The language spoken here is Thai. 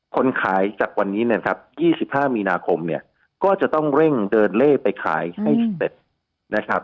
คนขายจากวันนี้นะครับ๒๕มีนาคมเนี่ยก็จะต้องเร่งเดินเล่ไปขายให้เสร็จนะครับ